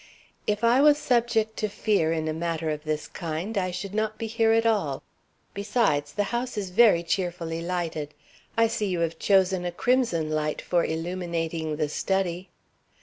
"If I was subject to fear in a matter of this kind, I should not be here at all. Besides, the house is very cheerfully lighted. I see you have chosen a crimson light for illuminating the study."